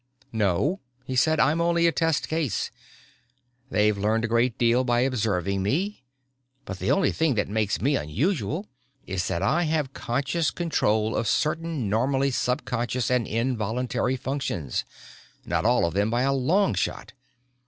"No," he said. "I'm only a test case. They've learned a great deal by observing me but the only thing that makes me unusual is that I have conscious control of certain normally subconscious and involuntary functions. Not all of them by a long shot.